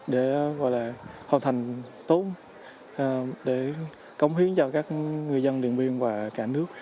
để hoàn thành tốt để cống hiến cho các người dân điện biên và cả nước